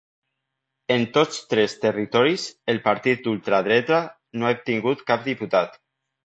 En tots tres territoris el partit d’ultradreta no ha obtingut cap diputat.